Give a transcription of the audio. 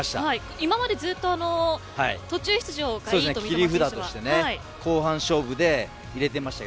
今までずっと、途中出場がいいと言っていましたが。